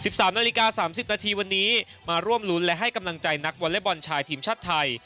สามนาฬิกาสามสิบนาทีวันนี้มาร่วมรุ้นและให้กำลังใจนักวอเล็กบอลชายทีมชาติไทย